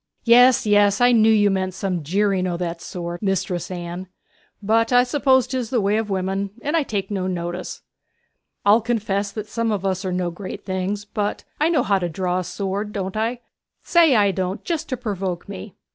'Yes, yes! I knew you meant some jeering o' that sort, Mistress Anne. But I suppose 'tis the way of women, and I take no notice. I'll confess that some of us are no great things: but I know how to draw a sword, don't I? say I don't just to provoke me.'